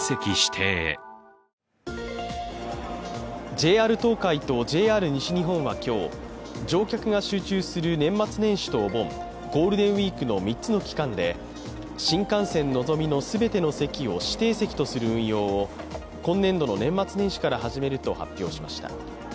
ＪＲ東海とＪＲ西日本は今日、乗客が集中する年末年始とお盆ゴールデンウイークの３つの期間で新幹線のぞみの全ての席を指定席とする運用を今年度の年末年始から始めると発表しました。